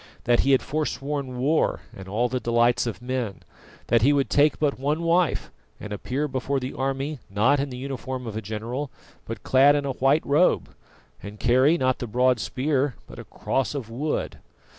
That he had forsworn war and all the delights of men; that he would take but one wife and appear before the army, not in the uniform of a general, but clad in a white robe, and carry, not the broad spear, but a cross of wood.